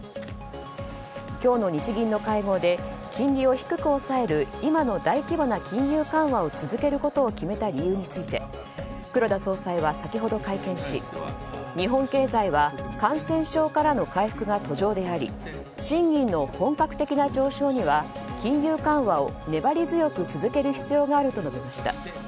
今日の日銀の会合で金利を低く抑える今の大規模な金融緩和を続けることを決めた理由について黒田総裁は、先ほど会見し日本経済は感染症からの回復が途上であり賃金の本格的な上昇には金融緩和を粘り強く続ける必要があると述べました。